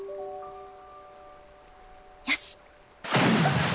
よし。